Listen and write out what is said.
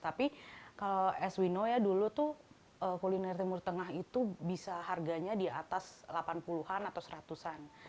tapi kalau as we know ya dulu tuh kuliner timur tengah itu bisa harganya di atas delapan puluh an atau seratus an